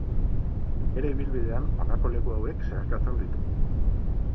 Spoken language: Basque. Bere ibilbidean honako leku hauek zeharkatzen ditu.